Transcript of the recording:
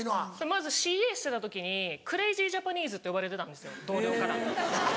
まずＣＡしてた時に「クレイジージャパニーズ」って呼ばれてたんですよ同僚から。